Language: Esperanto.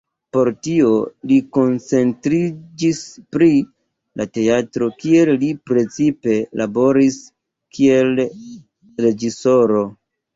Por tio li koncentriĝis pri la teatro, kie li precipe laboris kiel reĝisoro.